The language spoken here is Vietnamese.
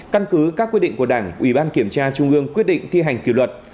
căn cứ các quyết định của đảng ủy ban kiểm tra trung ương quyết định thi hành kỷ luật